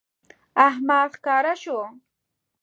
احمد ښکاره شو